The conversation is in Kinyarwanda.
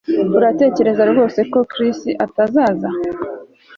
Uratekereza rwose ko Chris atazaza